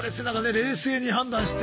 冷静に判断して。